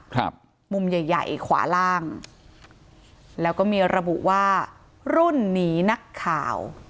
ครับมุมใหญ่ใหญ่ขวาล่างแล้วก็มีระบุว่ารุ่นหนีนักข่าว